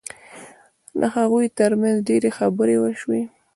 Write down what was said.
د هغوی ترمنځ ډېرې خبرې وشوې